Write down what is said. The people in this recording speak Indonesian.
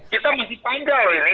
kita masih panjang ini